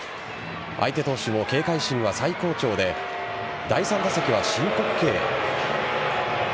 相手投手の警戒心は最高潮で第３打席は申告敬遠。